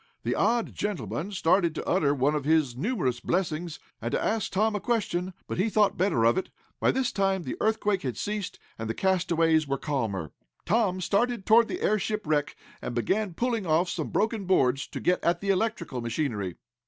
The odd gentleman started to utter one of his numerous blessings, and to ask Tom a question, but he thought better of it. By this time the earthquake had ceased, and the castaways were calmer. Tom started toward the airship wreck, and began pulling off some broken boards to get at the electrical machinery.